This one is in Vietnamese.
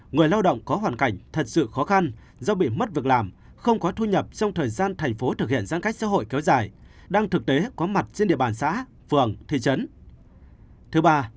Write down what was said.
người lao động có hoàn cảnh thật sự khó khăn do bị mất việc làm không có thu nhập trong thời gian thành phố thực hiện giãn cách xã hội kéo dài đang thực tế có mặt trên địa bàn xã phường thị trấn